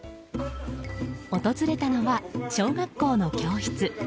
訪れたのは小学校の教室。